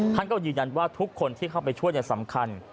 ท่านก็ยืนยันว่าทุกคนที่เข้าไปช่วยสำคัญ